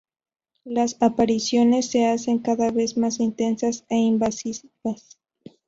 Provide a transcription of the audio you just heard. Las apariciones se hacen cada vez más intensas e invasivas.